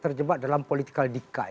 terjebak dalam political decay